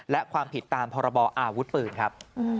และความผิดตามพรบออาวุธปืนครับ